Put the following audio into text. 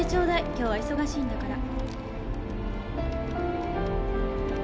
今日は忙しいんだから。